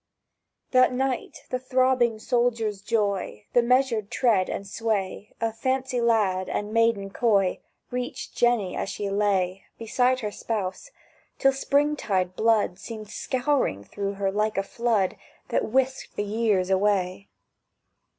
That night the throbbing "Soldier's Joy," The measured tread and sway Of "Fancy Lad" and "Maiden Coy," Reached Jenny as she lay Beside her spouse; till springtide blood Seemed scouring through her like a flood That whisked the years away.